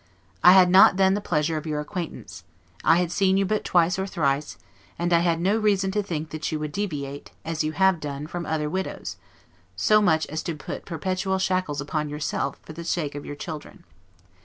I had not then the pleasure of your acquaintance: I had seen you but twice or thrice; and I had no reason to think that you would deviate, as you have done, from other widows, so much as to put perpetual shackles upon yourself, for the sake of your children.